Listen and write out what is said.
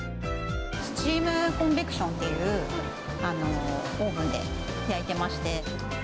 スチームコンベクションというオーブンで焼いてまして。